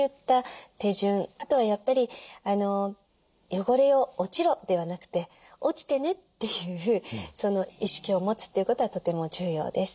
あとはやっぱり汚れを「落ちろ」ではなくて「落ちてね」っていうその意識を持つということはとても重要です。